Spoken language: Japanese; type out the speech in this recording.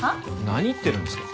何言ってるんですか？